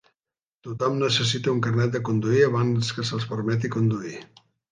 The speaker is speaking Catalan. Tothom necessita un carnet de conduir abans que se'ls permeti conduir.